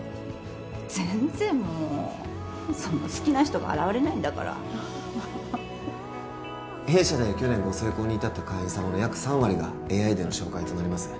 全然もうその好きな人が現れないんだから弊社で去年ご成婚に至った会員様の約３割がＡＩでの紹介となります